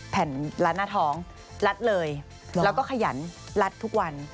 แผ่นลัดหน้าท้องลัดเลยแล้วก็ขยันรัดทุกวัน